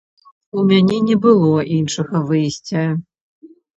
У мяне не было іншага выйсця.